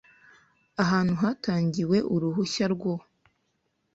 ahantu hatangiwe uruhushya rwo